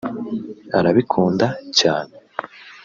arabikunda cyane